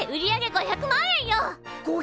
５００万円！？